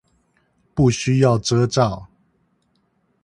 不需要遮罩